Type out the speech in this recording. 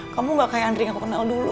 kamu gak kayak andri gak aku kenal dulu